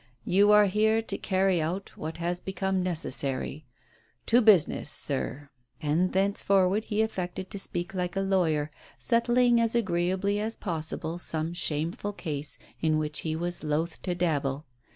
You are here to carry out what has become necessary. To business, sir.'' And thenceforward he affected to speak like a lawyer, settling as agreebly as possible some shameful case in which he was loath to dabble.